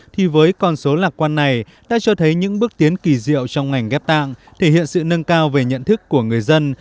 thì với con số lạc quan này đã cho thấy những bước tiến kỳ diệu trong ngành ghép tạng thể hiện sự nâng cao về nhận thức của người dân